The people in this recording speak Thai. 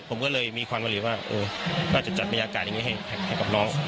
ผมก็เลยมีความหวังว่าอาจจะจัดบรรยากาศอย่างนี้ให้กับน้อง